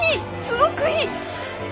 すごくいい！